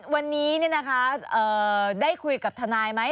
วันนี้ได้คุยกับทนายไหม